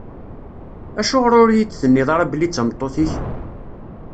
Acuɣer ur yi-d-tenniḍ ara belli d tameṭṭut-ik?